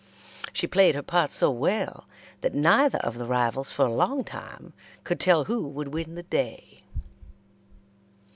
She played her part so well that neither of the rivals for a long time could tell who would win the day.